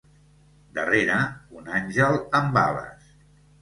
Darrere, un àngel amb ales.